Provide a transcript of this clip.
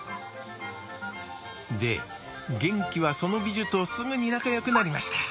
でゲンキはそのビジュとすぐに仲よくなりました。